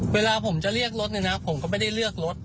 เวลาผมจะเรียกรถเนี่ยนะผมก็ไม่ได้เลือกรถ